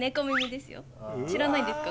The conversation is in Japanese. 知らないですか？